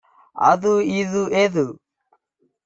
அது இது எது